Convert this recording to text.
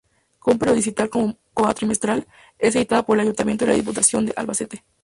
Con una periodicidad cuatrimestral, es editada por el Ayuntamiento y la Diputación de Albacete.